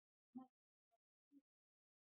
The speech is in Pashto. سیلانی ځایونه د افغانستان د اقلیمي نظام ښکارندوی ده.